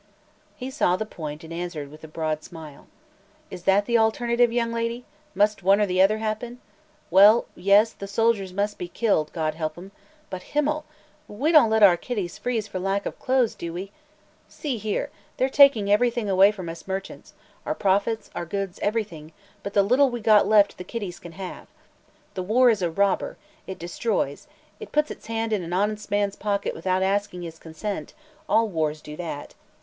He saw the point and answered with a broad smile: "Is that the alternative, young lady? Must one or the other happen? Well yes; the soldiers must be killed, God help 'em! But himmel! We don't let our kiddies freeze for lack of clothes, do we? See here; they're taking everything away from us merchants our profits, our goods, everything! but the little we got left the kiddies can have. The war is a robber; it destroys; it puts its hand in an honest man's pocket without asking his consent; all wars do that.